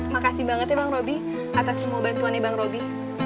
makasih banget ya bang robby atas semua bantuan ya bang robby